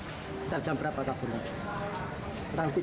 sekitar jam berapa kaburnya